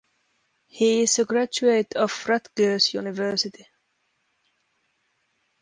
He is a graduate of Rutgers University.